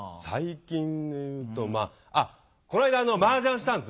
最近で言うとまああっこの間マージャンしたんすね。